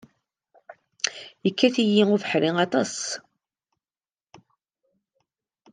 Yekkat-iyi ubeḥri aṭas.